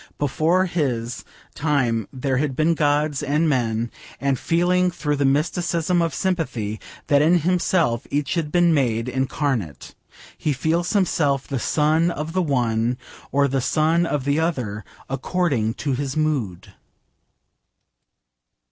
Before his time there had been gods and men, and, feeling through the mysticism of sympathy that in himself each had been made incarnate, he calls himself the Son of the one or the Son of the other, according to his mood.